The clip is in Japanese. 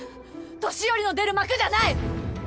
年寄りの出る幕じゃない！